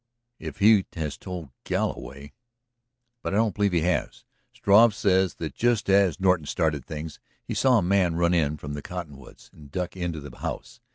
"If he has told Galloway. ..." "But I don't believe he has. Struve says that just as Norton started things he saw a man run in from the cottonwoods and duck into the house.